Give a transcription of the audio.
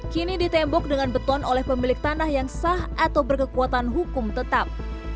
kini ditembok dengan beton oleh pemilik tanah yang sah atau berkekuatan hukum tetap